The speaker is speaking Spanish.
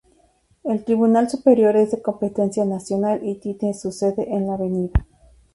El Tribunal Superior es de competencia nacional y tiene su sede en la Av.